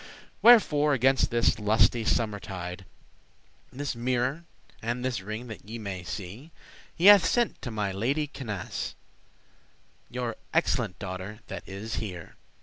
Wherefore, against this lusty summer tide, This mirror, and this ring that ye may see, He hath sent to my lady Canace, Your excellente daughter that is here.